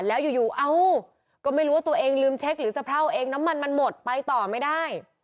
แล้วอยู่เอ้าก็ไม่รู้ว่าตัวเองลืมเช็คหรือสะเพราเองน้ำมันมันหมดไปต่อไม่ได้